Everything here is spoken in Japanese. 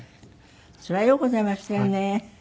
それはようございましたよね。